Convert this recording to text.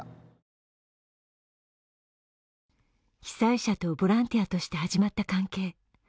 被災者とボランティアとして始まった関係。